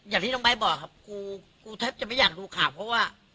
อย่างที่น้องไบท์บอกครับกูแทบจะไม่อยากดูข่าวเพราะว่า